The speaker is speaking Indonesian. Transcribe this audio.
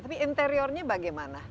tapi interiornya bagaimana